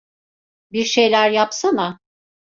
Bir şeyler yapsana.